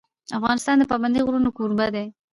افغانستان د پابندی غرونه کوربه دی.